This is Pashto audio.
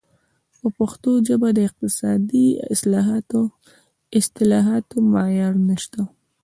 په پښتو ژبه د اقتصادي اصطلاحاتو معیار نشته.